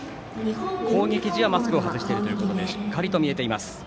攻撃時はマスクを外しているということでしっかりと見えています。